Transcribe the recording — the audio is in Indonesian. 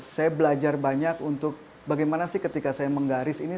saya belajar banyak untuk bagaimana sih ketika saya menggaris ini